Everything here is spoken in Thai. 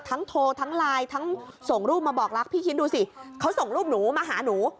โทรทั้งไลน์ทั้งส่งรูปมาบอกรักพี่คิดดูสิเขาส่งรูปหนูมาหาหนู